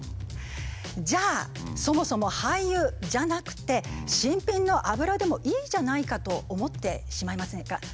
じゃあそもそも廃油じゃなくて新品の油でもいいじゃないかと思ってしまいませんか？